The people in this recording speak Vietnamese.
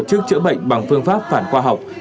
liên tục tổ chức trữa bệnh bằng phương pháp phản khoa học